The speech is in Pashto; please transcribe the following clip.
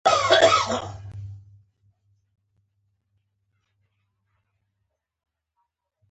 هغه د اورنګزیب پر وړاندې وجنګید.